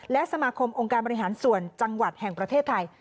และสมาคมองค์การบริหารส่วนจังหวัดแห่งประเทศไทย